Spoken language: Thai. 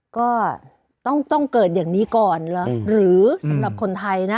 ก็ต้องเกิดอย่างนี้ก่อนเหรอหรือสำหรับคนไทยนะ